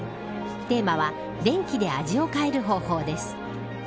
テーマは電気で味を変える方法です。